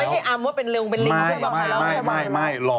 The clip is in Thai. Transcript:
เพื่อนพี่นมเหรอ